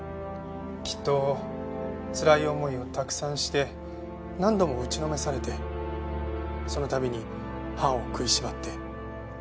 きっとつらい思いをたくさんして何度も打ちのめされてそのたびに歯を食いしばって。